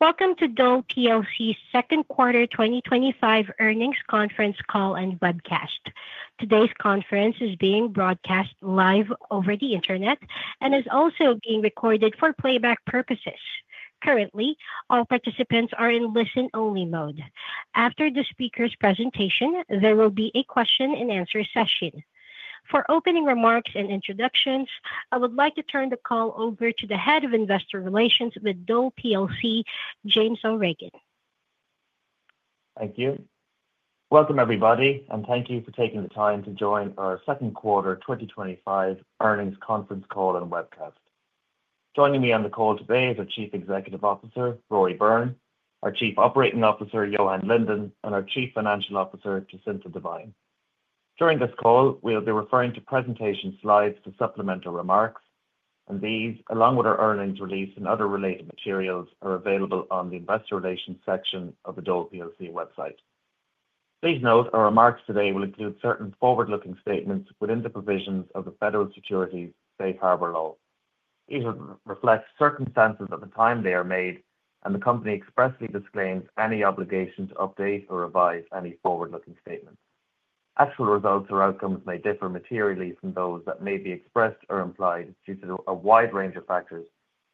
Welcome to Dole plc's Second Quarter 2025 Earnings Conference Call and Webcast. Today's conference is being broadcast live over the internet and is also being recorded for playback purposes. Currently, all participants are in listen-only mode. After the speaker's presentation, there will be a question-and-answer session. For opening remarks and introductions, I would like to turn the call over to the Head of Investor Relations with Dole plc, James O'Regan. Thank you. Welcome, everybody, and thank you for taking the time to join our second quarter 2025 earnings conference call and webcast. Joining me on the call today is our Chief Executive Officer, Rory Byrne, our Chief Operating Officer, Johan Lindén, and our Chief Financial Officer, Jacinta Devine. During this call, we will be referring to presentation slides for supplemental remarks, and these, along with our earnings release and other related materials, are available on the investor relations section of the Dole plc website. Please note our remarks today will include certain forward-looking statements within the provisions of the Federal Securities Safe Harbor Law. These reflect circumstances at the time they are made, and the company expressly disclaims any obligation to update or revise any forward-looking statements. Actual results or outcomes may differ materially from those that may be expressed or implied due to a wide range of factors,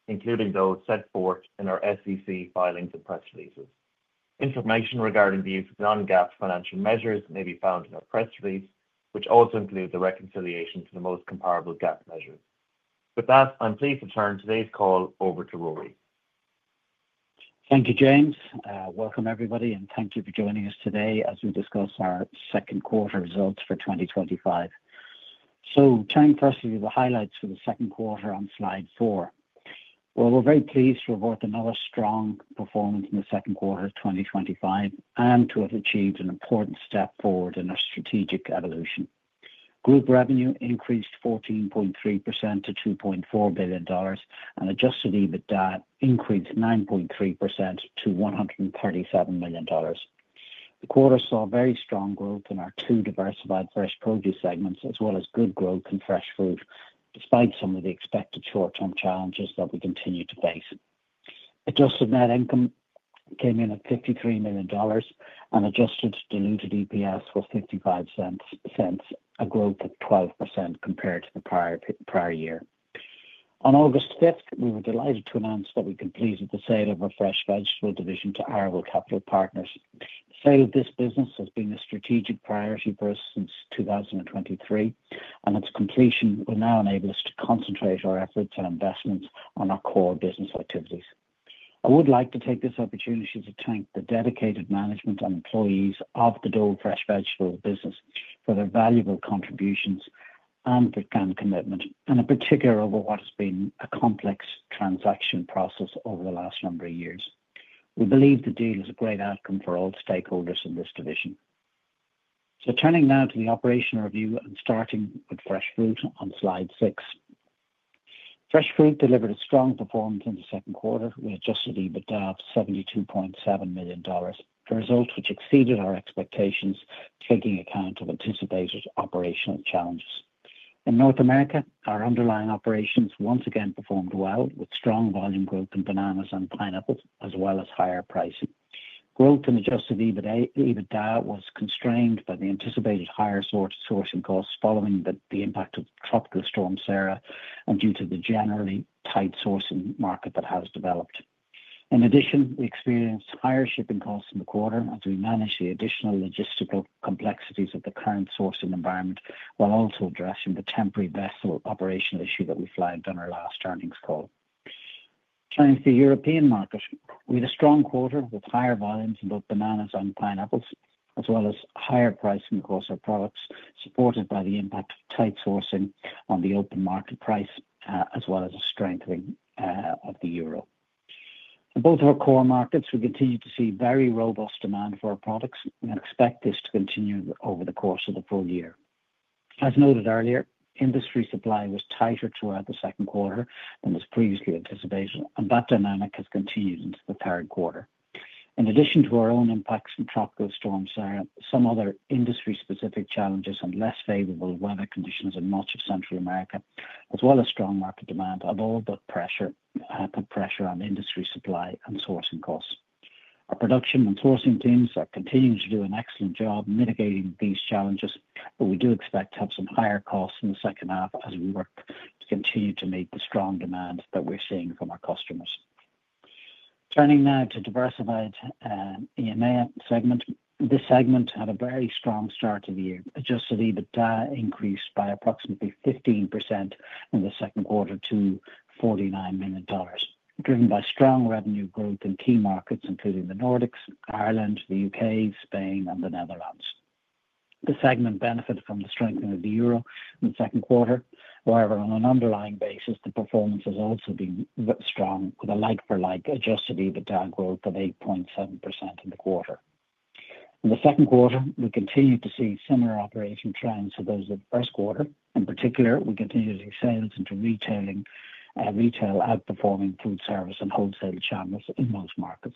including those set forth in our SEC filings and press releases. Information regarding the use of non-GAAP financial measures may be found in our press release, which also includes the reconciliation to the most comparable GAAP measures. With that, I'm pleased to turn today's call over to Rory. Thank you, James. Welcome, everybody, and thank you for joining us today as we discuss our second quarter results for 2025. Time pressed to do the highlights for the second quarter on slide four. We are very pleased to report another strong performance in the second quarter of 2025 and to have achieved an important step forward in our strategic evolution. Group revenue increased 14.3% to $2.4 billion, and adjusted EBITDA increased 9.3% to $137 million. The quarter saw very strong growth in our two diversified fresh produce segments, as well as good growth in fresh food, despite some of the expected short-term challenges that we continue to face. Adjusted net income came in at $53 million, and adjusted diluted EPS was $0.55, a growth of 12% compared to the prior year. On August 5, we were delighted to announce that we completed the sale of our fresh vegetable division to Arrow Capital Partners. The sale of this business has been a strategic priority for us since 2023, and its completion will now enable us to concentrate our efforts and investments on our core business activities. I would like to take this opportunity to thank the dedicated management and employees of the Dole Fresh Vegetable business for their valuable contributions and commitment, in particular over what has been a complex transaction process over the last number of years. We believe the deal is a great outcome for all stakeholders in this division. Turning now to the operational review and starting with fresh fruit on slide six. Fresh fruit delivered a strong performance in the second quarter with adjusted EBITDA of $72.7 million, a result which exceeded our expectations, taking account of anticipated operational challenges. In North America, our underlying operations once again performed well, with strong volume growth in bananas and pineapples, as well as higher pricing. Growth in adjusted EBITDA was constrained by the anticipated higher sourcing costs following the impact of Tropical Storm Sara and due to the generally tight sourcing market that has developed. In addition, we experienced higher shipping costs in the quarter as we managed the additional logistical complexities of the current sourcing environment, while also addressing the temporary vessel operational issue that we flagged on our last earnings call. For the European market, we had a strong quarter with higher volumes in both bananas and pineapples, as well as higher pricing across our products, supported by the impact of tight sourcing on the open market price, as well as a strengthening of the euro. In both of our core markets, we continue to see very robust demand for our products and expect this to continue over the course of the full year. As noted earlier, industry supply was tighter throughout the second quarter than was previously anticipated, and that dynamic has continued into the current quarter. In addition to our own impacts from Tropical Storm Sara, some other industry-specific challenges and less favorable weather conditions in much of Central America, as well as strong market demand, have put pressure on industry supply and sourcing costs. Our production and sourcing teams are continuing to do an excellent job mitigating these challenges, but we do expect to have some higher costs in the second half as we work to continue to meet the strong demand that we're seeing from our customers. Turning now to the diversified EMEA segment, this segment had a very strong start of the year. Adjusted EBITDA increased by approximately 15% in the second quarter to $49 million, driven by strong revenue growth in key markets, including the Nordics, Ireland, the UK, Spain, and the Netherlands. This segment benefited from the strengthening of the euro in the second quarter. However, on an underlying basis, the performance has also been strong, with a like-for-like adjusted EBITDA growth of 8.7% in the quarter. In the second quarter, we continue to see similar operation trends to those of the first quarter. In particular, we continue to see sales into retail outperforming food service and wholesale channels in most markets.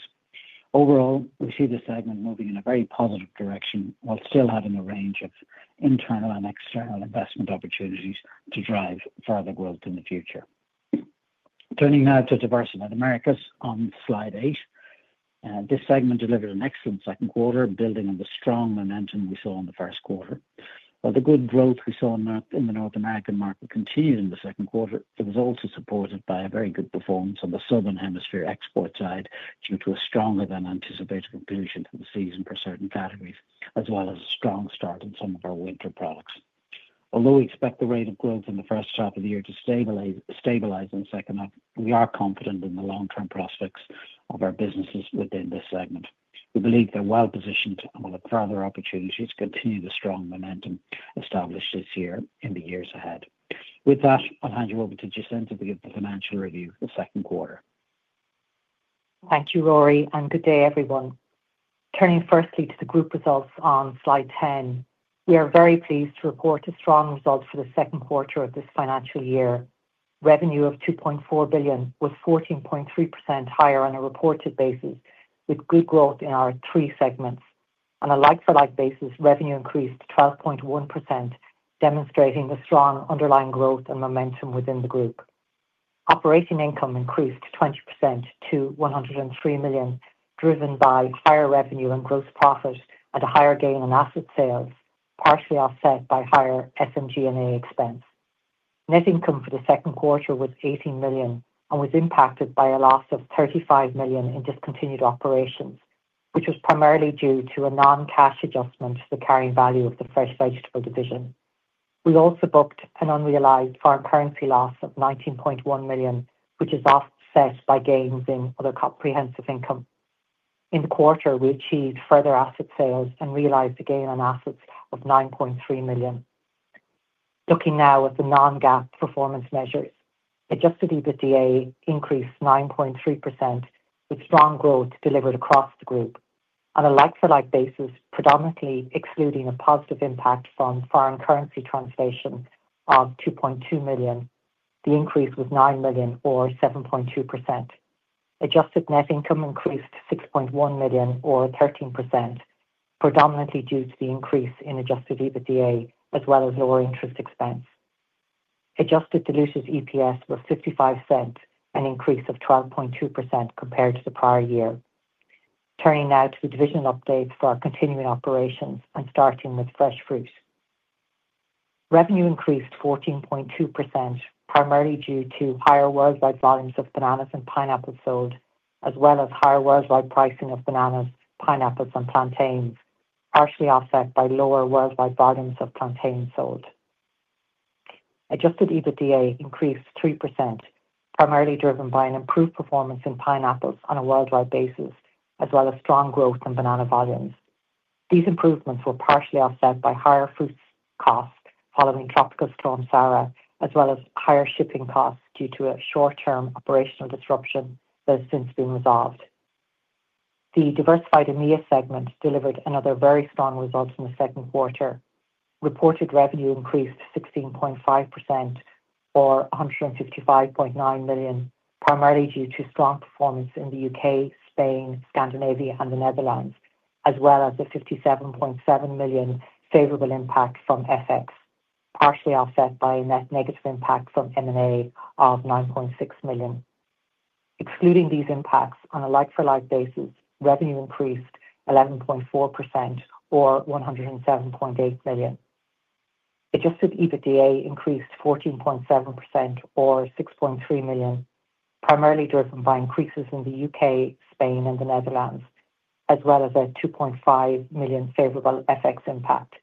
Overall, we see this segment moving in a very positive direction while still having a range of internal and external investment opportunities to drive further growth in the future. Turning now to diversified Americas on slide eight, this segment delivered an excellent second quarter, building on the strong momentum we saw in the first quarter. While the good growth we saw in the North American market continued in the second quarter, it was also supported by a very good performance on the Southern Hemisphere export side due to a stronger than anticipated conclusion in the season for certain categories, as well as a strong start in some of our winter products. Although we expect the rate of growth in the first half of the year to stabilize in the second half, we are confident in the long-term prospects of our businesses within this segment. We believe they're well positioned and will have further opportunities to continue the strong momentum established this year and the years ahead. With that, I'll hand you over to Jacinta to give the financial review of the second quarter. Thank you, Rory, and good day, everyone. Turning firstly to the group results on slide 10, we are very pleased to report a strong result for the second quarter of this financial year. Revenue of $2.4 billion was 14.3% higher on a reported basis, with good growth in our three segments. On a like-for-like basis, revenue increased 12.1%, demonstrating the strong underlying growth and momentum within the group. Operating income increased 20% to $103 million, driven by higher revenue and gross profits and a higher gain in asset sales, partially offset by higher SMG&A expense. Net income for the second quarter was $18 million and was impacted by a loss of $35 million in discontinued operations, which was primarily due to a non-cash adjustment to the carrying value of the fresh vegetable division. We also booked an unrealized foreign currency loss of $19.1 million, which is offset by gains in other comprehensive income. In the quarter, we achieved further asset sales and realized a gain on assets of $9.3 million. Looking now at the non-GAAP performance measure, adjusted EBITDA increased 9.3%, with strong growth delivered across the group. On a like-for-like basis, predominantly excluding a positive impact from foreign currency translation of $2.2 million, the increase was $9 million or 7.2%. Adjusted net income increased to $6.1 million or 13%, predominantly due to the increase in adjusted EBITDA, as well as lower interest expense. Adjusted diluted EPS was $0.55, an increase of 12.2% compared to the prior year. Turning now to the division updates for our continuing operations and starting with fresh fruit. Revenue increased 14.2%, primarily due to higher worldwide volumes of bananas and pineapples sold, as well as higher worldwide pricing of bananas, pineapples, and plantains, partially offset by lower worldwide volumes of plantains sold. Adjusted EBITDA increased 3%, primarily driven by an improved performance in pineapples on a worldwide basis, as well as strong growth in banana volumes. These improvements were partially offset by higher fruit costs following Tropical Storm Sara, as well as higher shipping costs due to a short-term operational disruption that has since been resolved. The diversified EMEA segment delivered another very strong result in the second quarter. Reported revenue increased 16.5% or $155.9 million, primarily due to strong performance in the UK, Spain, Scandinavia, and the Netherlands, as well as the $57.7 million favorable impact from FX, partially offset by a net negative impact from M&A of $9.6 million. Excluding these impacts, on a like-for-like basis, revenue increased 11.4% or $107.8 million. Adjusted EBITDA increased 14.7% or $6.3 million, primarily driven by increases in the UK, Spain, and the Netherlands, as well as a $2.5 million favorable FX impact.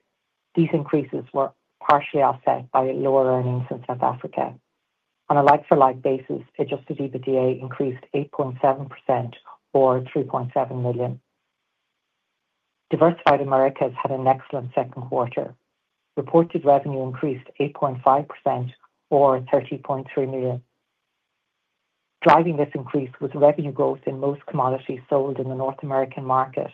These increases were partially offset by lower earnings in South Africa. On a like-for-like basis, adjusted EBITDA increased 8.7% or $3.7 million. Diversified Americas had an excellent second quarter. Reported revenue increased 8.5% or $30.3 million. Driving this increase was revenue growth in most commodities sold in the North American market,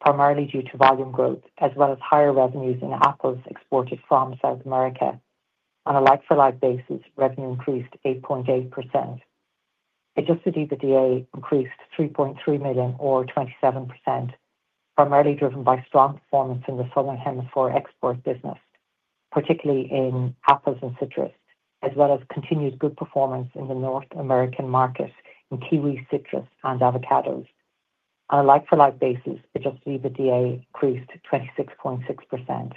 primarily due to volume growth, as well as higher revenues in apples exported from South America. On a leg-for-leg basis, revenue increased 8.8%. Adjusted EBITDA increased $3.3 million or 27%, primarily driven by strong performance in the Southern Hemisphere export business, particularly in apples and citrus, as well as continued good performance in the North American markets in kiwi, citrus, and avocados. On a like-for-like basis, adjusted EBITDA increased 26.6%.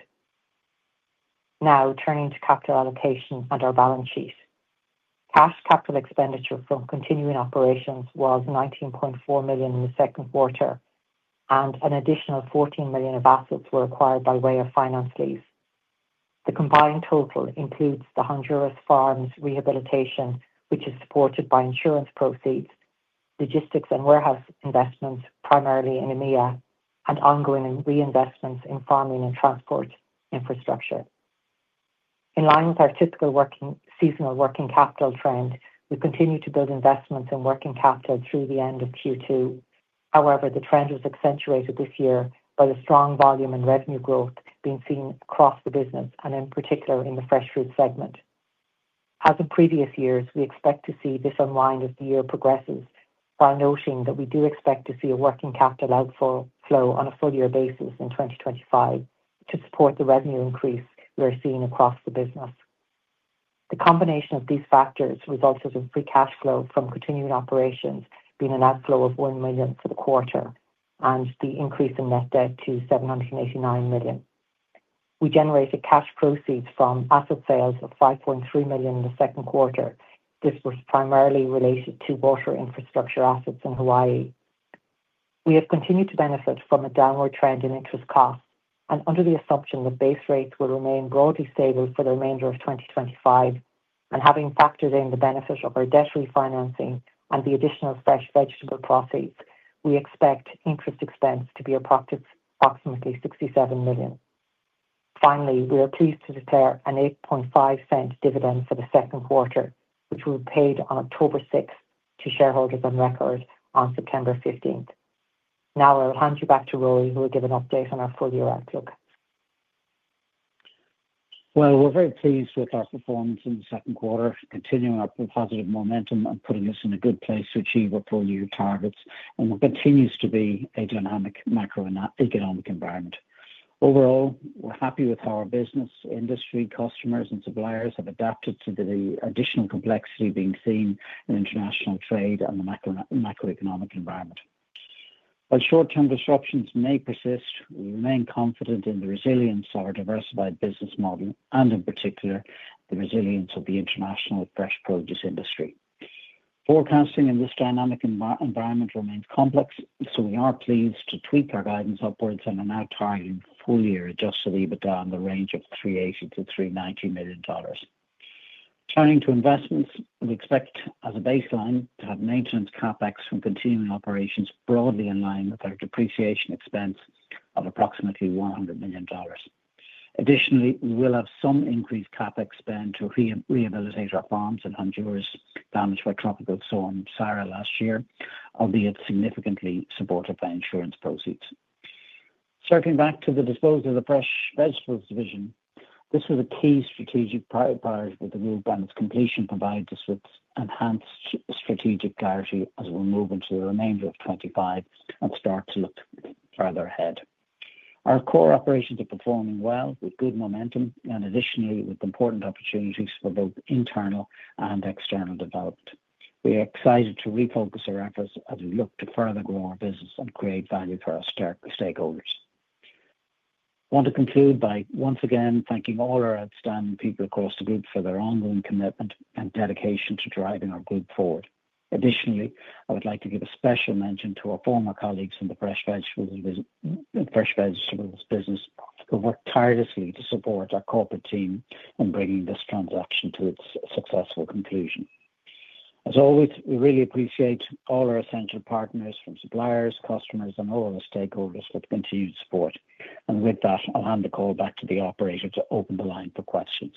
Now, turning to capital allocation and our balance sheets. Cash capital expenditure from continuing operations was $19.4 million in the second quarter, and an additional $14 million of assets were acquired by way of finance lease. The combined total includes the Honduras farms rehabilitation, which is supported by insurance proceeds, logistics and warehouse investments, primarily in EMEA, and ongoing reinvestments in farming and transport infrastructure. In line with our typical seasonal working capital trend, we continue to build investments in working capital through the end of Q2. However, the trend was accentuated this year by the strong volume and revenue growth being seen across the business, and in particular in the fresh fruit segment. As in previous years, we expect to see this unwind as the year progresses, while noting that we do expect to see a working capital outflow on a full-year basis in 2025 to support the revenue increase we are seeing across the business. The combination of these factors resulted in free cash flow from continuing operations being an outflow of $1 million for the quarter and the increase in net debt to $789 million. We generated cash proceeds from asset sales of $5.3 million in the second quarter. This was primarily related to water infrastructure assets in Hawaii. We have continued to benefit from a downward trend in interest costs, and under the assumption that base rates will remain broadly stable for the remainder of 2025, and having factored in the benefit of our debt refinancing and the additional fresh vegetable proceeds, we expect interest expense to be approximately $67 million. Finally, we are pleased to declare a $0.085 dividend for the second quarter, which will be paid on October 6 to shareholders on record on September 15. Now, I'll hand you back to Rory, who will give an update on our full-year outlook. We are very pleased with our performance in the second quarter, continuing up the positive momentum and putting us in a good place to achieve our full-year targets, and there continues to be a dynamic macroeconomic environment. Overall, we're happy with how our business, industry, customers, and suppliers have adapted to the additional complexity being seen in international trade and the macroeconomic environment. While short-term disruptions may persist, we remain confident in the resilience of our diversified business model and, in particular, the resilience of the international fresh produce industry. Forecasting in this dynamic environment remains complex, so we are pleased to tweak our guidance upwards and are now targeting full-year adjusted EBITDA in the range of $380 million-$390 million. Turning to investments, we expect, as a baseline, to have maintenance CapExfrom continuing operations broadly in line with our depreciation expense of approximately $100 million. Additionally, we will have some increased CAPEX spend to rehabilitate our farms in Honduras, damaged by Tropical Storm Sarah last year, albeit significantly supported by insurance proceeds. Circling back to the disposal of the fresh vegetables division, this was a key strategic part of the group, and its completion provides us with enhanced strategic clarity as we move into the remainder of 2025 and start to look further ahead. Our core operations are performing well with good momentum and, additionally, with important opportunities for both internal and external development. We are excited to refocus our efforts as we look to further grow our business and create value for our stakeholders. I want to conclude by once again thanking all our outstanding people across the group for their ongoing commitment and dedication to driving our group forward. Additionally, I would like to give a special mention to our former colleagues in the fresh vegetables business who have worked tirelessly to support our corporate team in bringing this transaction to its successful conclusion. As always, we really appreciate all our essential partners from suppliers, customers, and all of the stakeholders for the continued support. With that, I'll hand the call back to the operator to open the line for questions.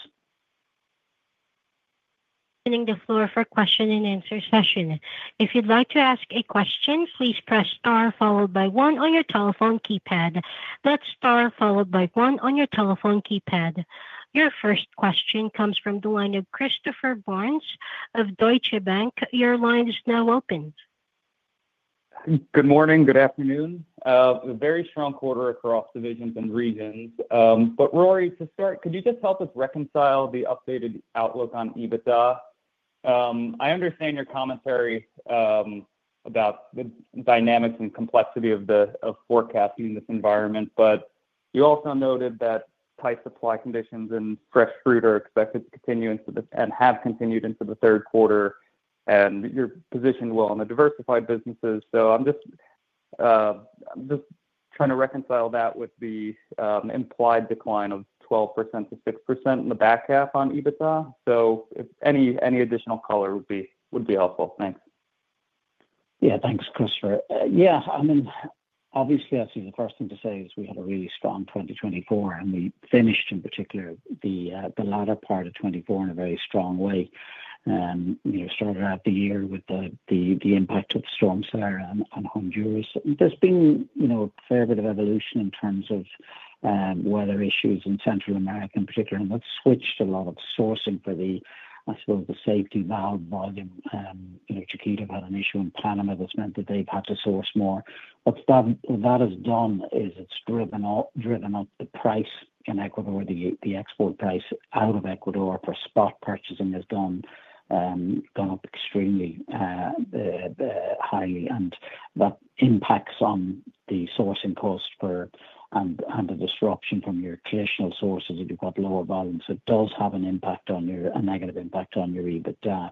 Opening the floor for a question and answer session. If you'd like to ask a question, please press star followed by one on your telephone keypad. That's star followed by one on your telephone keypad. Your first question comes from the line of Christopher Barnes of Deutsche Bank. Your line is now open. Good morning. Good afternoon. A very strong quarter across divisions and regions. Rory, to start, could you just help us reconcile the updated outlook on EBITDA? I understand your commentary about the dynamics and complexity of forecasting in this environment, but you also noted that tight supply conditions in fresh fruit are expected to continue and have continued into the third quarter, and you're positioned well in the diversified businesses. I'm just trying to reconcile that with the implied decline of 12% to 6% in the back half on EBITDA. Any additional color would be helpful. Thanks. Yeah, thanks, Christopher. I mean, obviously, I think the first thing to say is we had a really strong 2024, and we finished, in particular, the latter part of 2024 in a very strong way. We started out the year with the impact of Storm Sara in Honduras. There's been a fair bit of evolution in terms of weather issues in Central America, in particular, and that's switched a lot of sourcing for the, I suppose, the safety valve volume. Chiquita had an issue in Panama that meant that they've had to source more. What that has done is it's driven up the price in Ecuador, the export price out of Ecuador for spot purchasing has gone up extremely highly. That impacts on the sourcing costs and the disruption from your traditional sources if you've got lower volumes. It does have an impact on your, a negative impact on your EBITDA.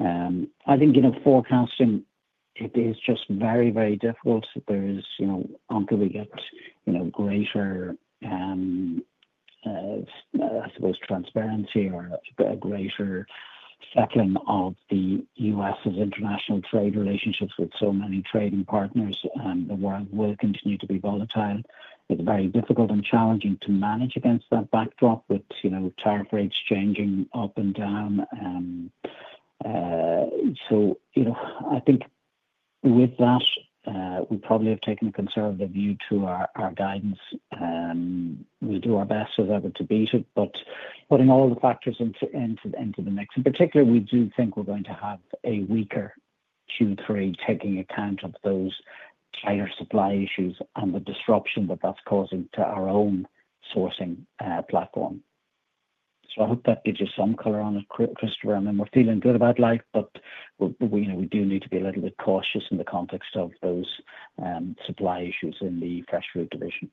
I think forecasting, it is just very, very difficult. There is, until we get greater, I suppose, transparency or a greater settling of the U.S.'s international trade relationships with so many trading partners, the world will continue to be volatile. It's very difficult and challenging to manage against that backdrop with tariff rates changing up and down. I think with that, we probably have taken a conservative view to our guidance. We'll do our best as ever to beat it, but putting all the factors into the mix. In particular, we do think we're going to have a weaker Q3 taking account of those higher supply issues and the disruption that that's causing to our own sourcing platform. I hope that gives you some color on it, Christopher. I mean, we're feeling good about light, but we do need to be a little bit cautious in the context of those supply issues in the fresh fruit division.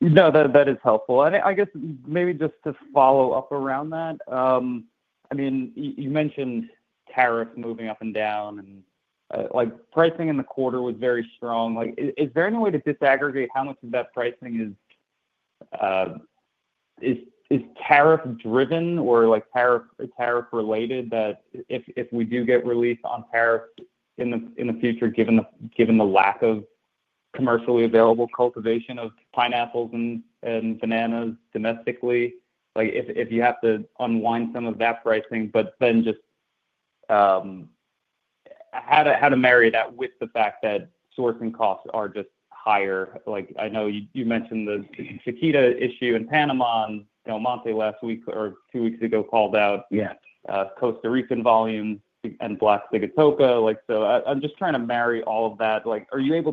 No, that is helpful. I guess maybe just to follow up around that, you mentioned tariff moving up and down and pricing in the quarter was very strong. Is there any way to disaggregate how much of that pricing is tariff-driven or tariff-related, that if we do get relief on tariff in the future, given the lack of commercially available cultivation of pineapples and bananas domestically, if you have to unwind some of that pricing, how do you marry that with the fact that sourcing costs are just higher? I know you mentioned the Chiquita issue in Panama and, you know, Monty last week or two weeks ago called out Costa Rican volumes and Black Sigatoka. I am just trying to marry all of that. Are you able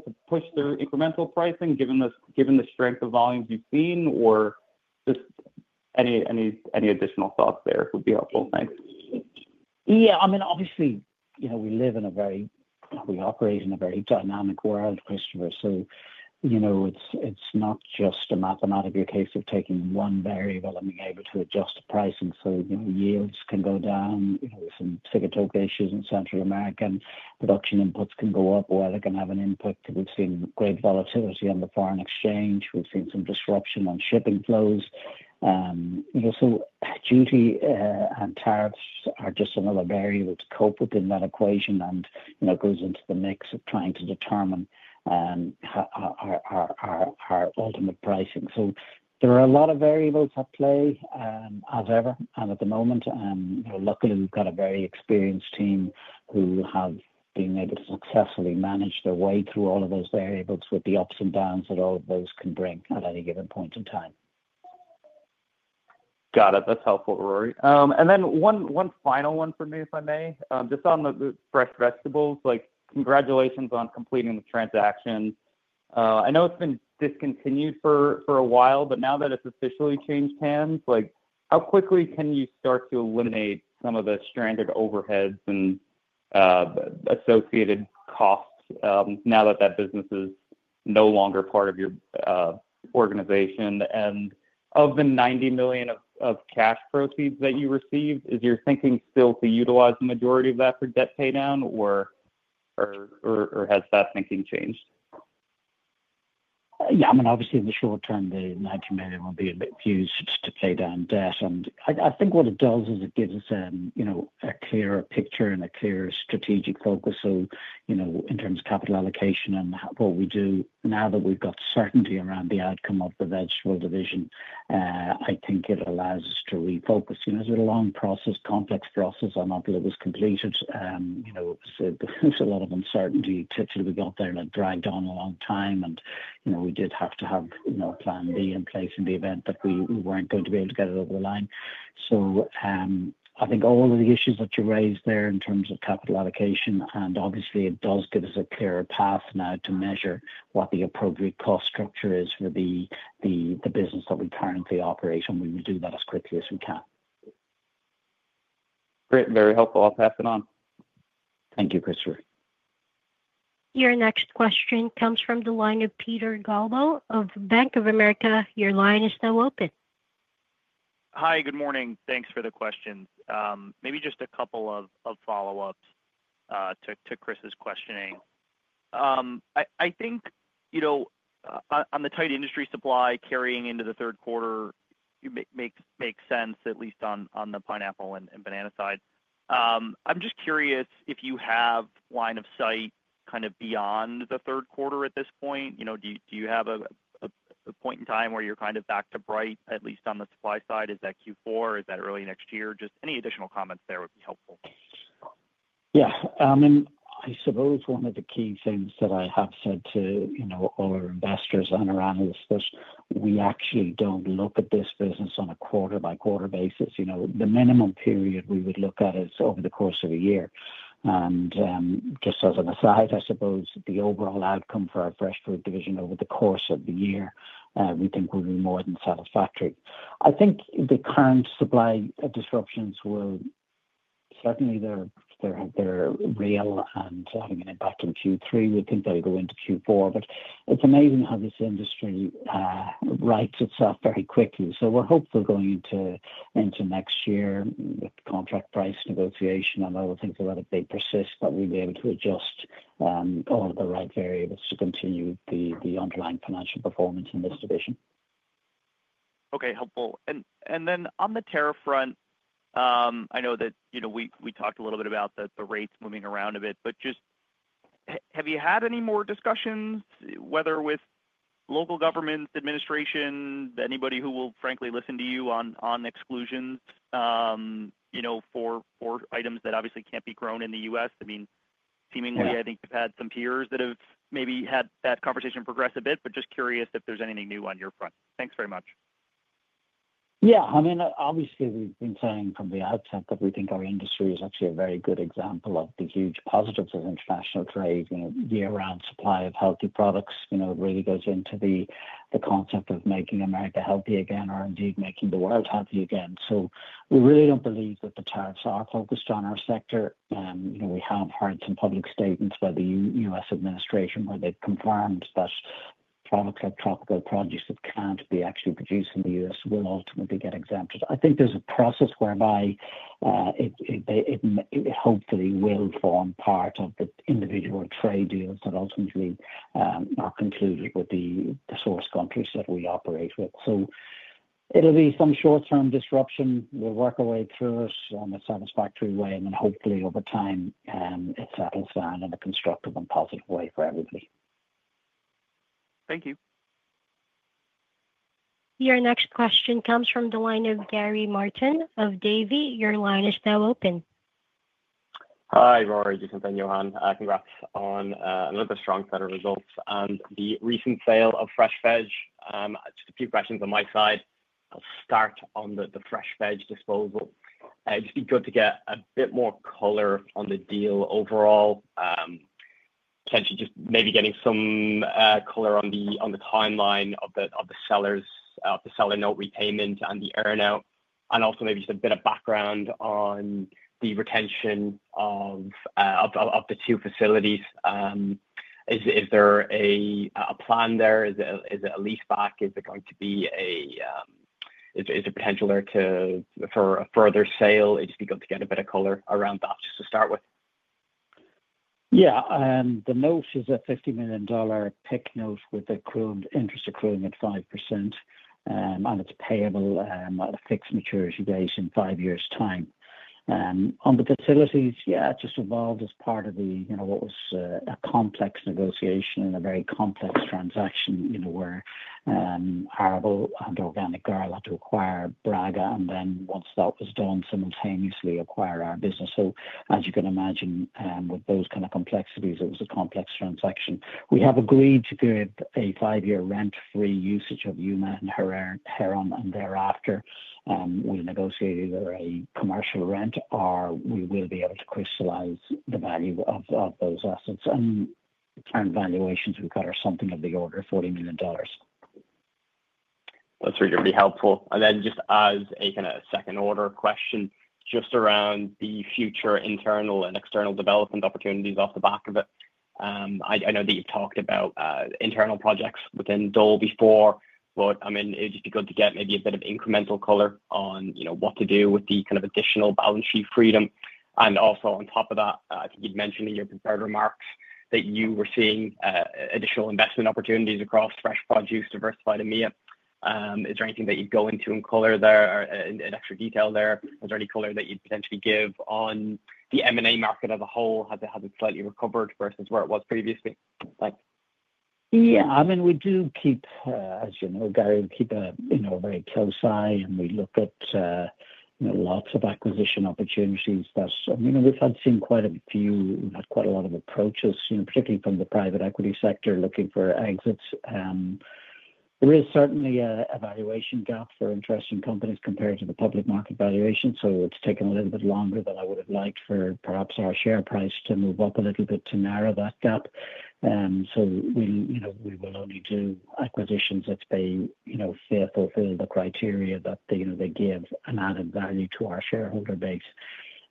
to push through incremental pricing given the strength of volumes you've seen, or any additional thoughts there would be helpful. Thanks. Yeah, I mean, obviously, we operate in a very dynamic world, Christopher. It's not just a mathematical case of taking one variable and being able to adjust the pricing. Yields can go down. There are some Sigatoka issues in Central America, and production inputs can go up while they can have an input. We've seen great volatility on the foreign exchange. We've seen some disruption on shipping flows. Duty and tariffs are just another variable to cope with in that equation, and it goes into the mix of trying to determine our ultimate pricing. There are a lot of variables at play, as ever and at the moment. Luckily, we've got a very experienced team who have been able to successfully manage their way through all of those variables with the ups and downs that all of those can bring at any given point in time. Got it. That's helpful, Rory. One final one for me, if I may, just on the fresh vegetables. Congratulations on completing the transaction. I know it's been discontinued for a while, but now that it's officially changed hands, how quickly can you start to eliminate some of the stranded overheads and associated costs now that that business is no longer part of your organization? Of the $90 million of cash proceeds that you received, is your thinking still to utilize the majority of that for debt paydown, or has that thinking changed? Yeah, I mean, obviously, in the short term, the net proceeds will be used to pay down debt. I think what it does is it gives us a clearer picture and a clearer strategic focus in terms of capital allocation and what we do now that we've got certainty around the outcome of the vegetable division. I think it allows us to refocus. It's been a long process, a complex process. There was a lot of uncertainty. Ultimately, we got there and it dragged on a long time, and we did have to have a plan B in place in the event that we weren't going to be able to get it over the line. I think all of the issues that you raised there in terms of capital allocation, it does give us a clearer path now to measure what the appropriate cost structure is for the business that we currently operate on. We will do that as quickly as we can. Great. Very helpful. I'll pass it on. Thank you, Christopher. Your next question comes from the line of Peter Galbo of Bank of America. Your line is now open. Hi, good morning. Thanks for the questions. Maybe just a couple of follow-ups to Chris's questioning. I think, you know, on the tight industry supply carrying into the third quarter, it makes sense at least on the pineapple and banana side. I'm just curious if you have line of sight kind of beyond the third quarter at this point. Do you have a point in time where you're kind of back to bright, at least on the supply side? Is that Q4? Is that early next year? Just any additional comments there would be helpful. Yeah, I mean, I suppose one of the key things that I have said to all our investors on our end is that we actually don't look at this business on a quarter-by-quarter basis. The minimum period we would look at is over the course of a year. Just as an aside, I suppose the overall outcome for our fresh fruit division over the course of the year, we think would be more than satisfactory. I think the current supply disruptions will certainly be real and having an impact in Q3. We think they'll go into Q4, but it's amazing how this industry rights itself very quickly. We're hopeful going into next year with contract price negotiation and other things that will persist, that we'll be able to adjust all of the right variables to continue the underlying financial performance in this division. Okay, helpful. On the tariff front, I know that we talked a little bit about the rates moving around a bit, but just have you had any more discussions, whether with local governments, administration, anybody who will frankly listen to you on exclusions for items that obviously can't be grown in the U.S.? I mean, seemingly, I think you've had some peers that have maybe had that conversation progress a bit, but just curious if there's anything new on your front. Thanks very much. Yeah, I mean, obviously, we've been saying from the outset that we think our industry is actually a very good example of the huge positives of international trade. You know, year-round supply of healthy products really goes into the concept of making America healthy again or indeed making the world healthy again. We really don't believe that the tariffs are focused on our sector. We have heard some public statements by the U.S. administration where they've confirmed that products like tropical produce that can't be actually produced in the U.S. will ultimately get exempted. I think there's a process whereby it hopefully will form part of the individual trade deals that ultimately are concluded with the source countries that we operate with. It'll be some short-term disruption. We'll work our way through it in a satisfactory way, and then hopefully over time, it settles down in a constructive and positive way for everybody. Thank you. Your next question comes from the line of Gary Martin of Davy. Your line is now open. Hi, Rory, Jacinta, and Johan. Congrats on another strong set of results and the recent sale of fresh veg. Just a few questions on my side. I'll start on the fresh veg disposal. It'd just be good to get a bit more color on the deal overall. Potentially just maybe getting some color on the timeline of the seller note repayment and the earnout, and also maybe just a bit of background on the retention of the two facilities. Is there a plan there? Is it a leaseback? Is there going to be a potential there for a further sale? It'd just be good to get a bit of color around that just to start with. Yeah, the note is a $50 million payment-in-kind note with interest accruing at 5%, and it's payable at a fixed maturity base in five years' time. On the facilities, it just evolved as part of what was a complex negotiation and a very complex transaction, where Arrow Capital Partners and organic garlic acquired Braga, and then once that was done, simultaneously acquire our business. As you can imagine, with those kind of complexities, it was a complex transaction. We have agreed to give a five-year rent-free usage of Yuma and Heron, and thereafter, we negotiated a commercial rent or we will be able to crystallize the value of those assets. Our valuations we've got are something of the order of $40 million. That's really good. It'd be helpful. Just as a kind of second order question, just around the future internal and external development opportunities off the back of it. I know that you've talked about internal projects within Dole before, but I mean, it'd just be good to get maybe a bit of incremental color on what to do with the kind of additional balance sheet freedom. Also, on top of that, I think you'd mentioned in your prepared remarks that you were seeing additional investment opportunities across fresh produce, diversified EMEA. Is there anything that you'd go into in color there or in extra detail there? Is there any color that you'd potentially give on the M&A market as a whole? Has it slightly recovered versus where it was previously? Thanks. Yeah, I mean, we do keep, as you know, Gary, we keep a very close eye, and we look at lots of acquisition opportunities. We've seen quite a few, we've had quite a lot of approaches, particularly from the private equity sector looking for exits. There is certainly a valuation gap for interesting companies compared to the public market valuation. It's taken a little bit longer than I would have liked for perhaps our share price to move up a little bit to narrow that gap. We will only do acquisitions that fulfill the criteria that they give an added value to our shareholder base.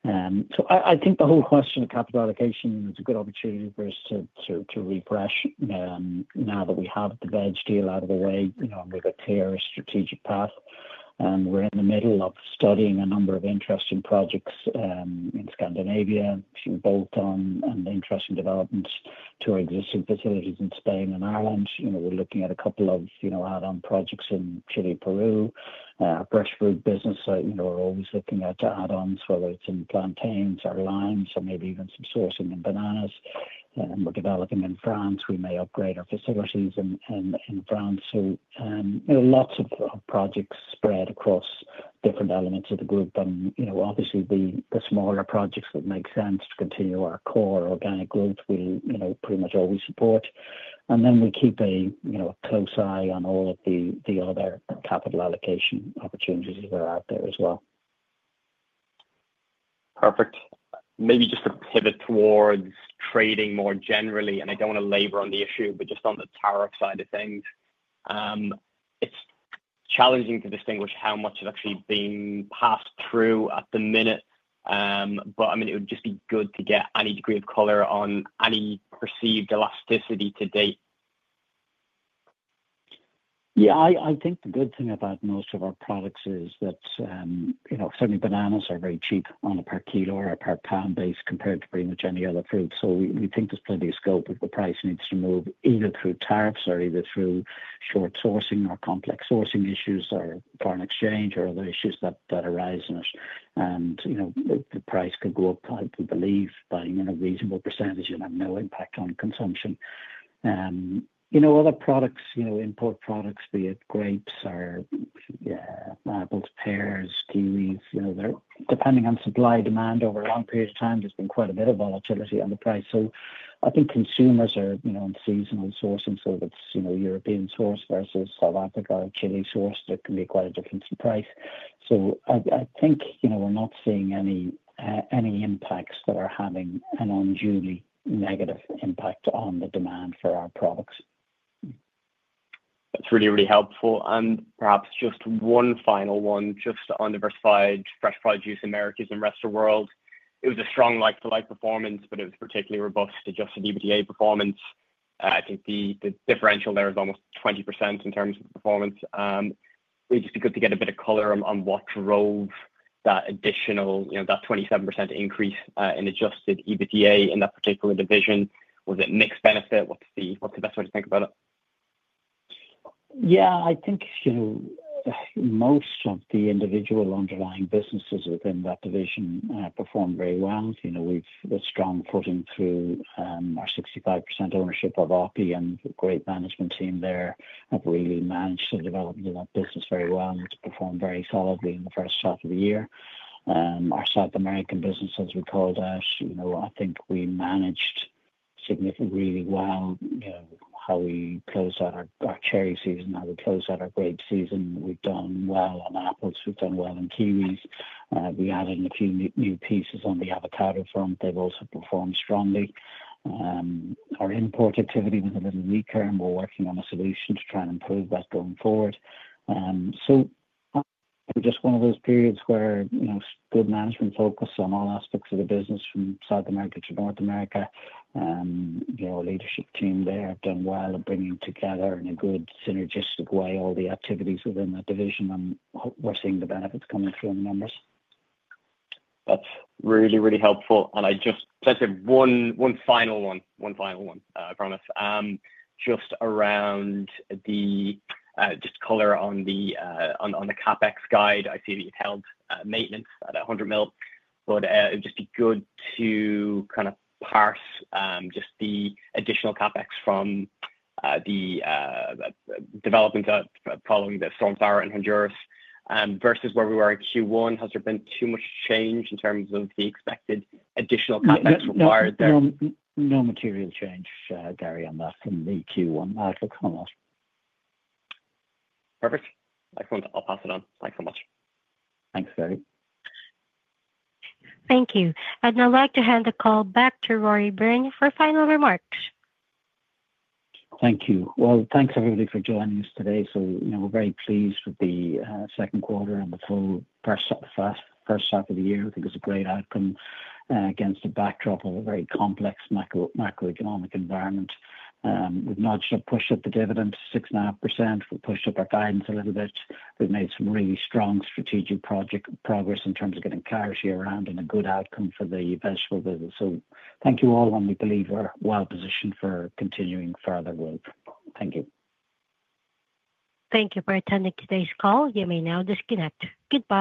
I think the whole question of capital allocation is a good opportunity for us to refresh, now that we have the veg deal out of the way, and we've a clear strategic path. We're in the middle of studying a number of interesting projects in Scandinavia to bolt on and interesting developments to our existing facilities in Spain and Ireland. We're looking at a couple of add-on projects in Chile, Peru, our fresh fruit business. We're always looking at add-ons, whether it's in plantains or limes or maybe even some sourcing in bananas. We're developing in France. We may upgrade our facilities in France. There are lots of projects spread across different elements of the group. Obviously, the smaller projects that make sense to continue our core organic growth, we'll pretty much always support. We keep a close eye on all of the other capital allocation opportunities that are out there as well. Perfect. Maybe just to pivot towards trading more generally, I don't want to labor on the issue, but just on the tariff side of things. It's challenging to distinguish how much has actually been passed through at the minute. I mean, it would just be good to get any degree of color on any perceived elasticity to date. Yeah, I think the good thing about most of our products is that, you know, certainly bananas are very cheap on a per kilo or a per pound base compared to pretty much any other fruit. We think there's plenty of scope if the price needs to move either through tariffs or through short sourcing or complex sourcing issues or foreign exchange or other issues that arise in it. The price could go up, I believe, by a reasonable percentage and have no impact on consumption. Other products, import products, be it grapes or both pears, kiwis, they're depending on supply and demand over a long period of time. There's been quite a bit of volatility on the price. I think consumers are on seasonal sourcing. That's European source versus South Africa or Chile source. There can be quite a difference in price. I think we're not seeing any impacts that are having an unduly negative impact on the demand for our products. That's really, really helpful. Perhaps just one final one, just on diversified fresh produce in Americas and the rest of the world. It was a strong like-to-like performance, but it was particularly robust to adjusted EBITDA performance. I think the differential there is almost 20% in terms of performance. It'd just be good to get a bit of color on what drove that additional, you know, that 27% increase in adjusted EBITDA in that particular division. Was it mixed benefit? What's the best way to think about it? Yeah, I think most of the individual underlying businesses within that division performed very well. We've a strong footing through our 65% ownership of Oppy, and the great management team there have really managed the development of that business very well and performed very solidly in the first half of the year. Our South American business, as we called it, I think we managed significantly really well. How we closed out our cherry season, how we closed out our grape season. We've done well on apples. We've done well on kiwis. We added a few new pieces on the avocado front. They've also performed strongly. Our import activity was a little weaker, and we're working on a solution to try and improve that going forward. It is just one of those periods where good management focus on all aspects of the business from South America to North America. Our leadership team there have done well at bringing together in a good synergistic way all the activities within that division, and we're seeing the benefits coming through in the numbers. That's really, really helpful. Like I said, one final one, I promise. Just around the CapEx guide, I see that you've held maintenance at $100 million. It'd just be good to kind of parse the additional CapEx from the developments that are following the Storm Sara in Honduras. Versus where we were at Q1, has there been too much change in terms of the expected additional CapEx required? No, no material change, Gary, on that in Q1. That's what's come along. Perfect. Excellent. I'll pass it on. Thanks so much. Thanks, Gary. Thank you. I'd like to hand the call back to Rory Byrne for final remarks. Thank you. Thank you everybody for joining us today. We're very pleased with the second quarter and the full first half of the year. I think it's a great outcome against the backdrop of a very complex macroeconomic environment. We've managed to push up the dividend to 6.5%. We've pushed up our guidance a little bit. We've made some really strong strategic project progress in terms of getting clarity around and a good outcome for the vegetable business. Thank you all, and we believe we're well positioned for continuing further growth. Thank you. Thank you for attending today's call. You may now disconnect. Goodbye.